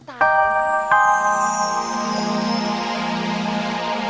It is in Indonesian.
jangan lupa like share dan subscribe ya